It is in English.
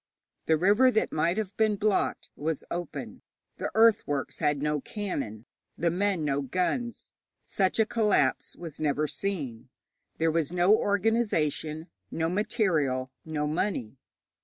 The river that might have been blocked was open; the earthworks had no cannon, the men no guns. Such a collapse was never seen. There was no organization, no material, no money.